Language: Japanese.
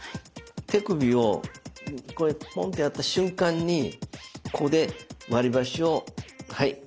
手首をこれポンとやった瞬間にここで割りばしをはい。